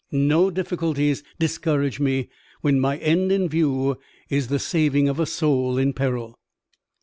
No difficulties discourage me, when my end in view is the saving of a soul in peril."